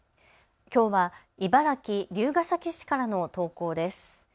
きょうは茨城龍ケ崎市からの投稿です。